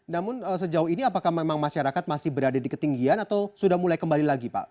namun sejauh ini apakah memang masyarakat masih berada di ketinggian atau sudah mulai kembali lagi pak